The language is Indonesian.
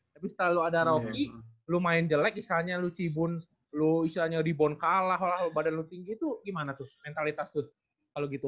tapi setelah lu ada rocky lu main jelek istilahnya lu cibun lu istilahnya rebound kalah badan lu tinggi itu gimana tuh mentalitas lu kalau gitu